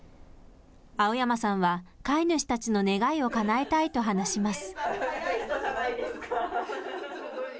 青山さんは、飼い主たちの願いをかなえたいと話します。